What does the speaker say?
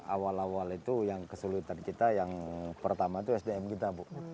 awal awal itu yang kesulitan kita yang pertama itu sdm kita bu